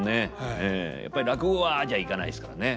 やっぱり落語はああじゃいかないですからね。